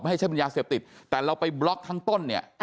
ให้ใช้เป็นยาเสพติดแต่เราไปบล็อกทั้งต้นเนี่ย